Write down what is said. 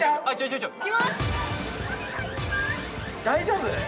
大丈夫？